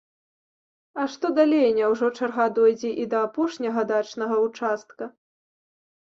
А што далей, няўжо чарга дойдзе і да апошняга дачнага ўчастка?